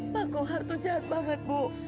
pak kauh hari jahat banget bu